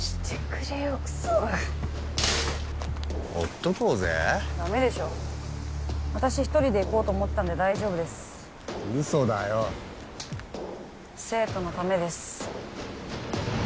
クソがほっとこうぜダメでしょ私１人で行こうと思ってたんで大丈夫ですウソだよ生徒のためです